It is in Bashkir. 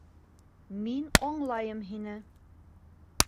Мин аңлайым һине.